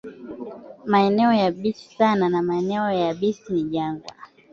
Maeneo yabisi sana na maeneo yabisi ni jangwa.